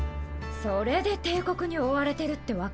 それで帝国に追われてるってわけ？